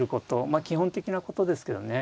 基本的なことですけどね。